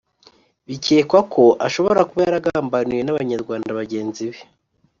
bikekwa ko ashobora kuba yaragambaniwe n’Abanyarwanda bagenzi be